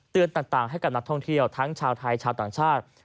ต่างให้กับนักท่องเที่ยวทั้งชาวไทยชาวต่างชาติ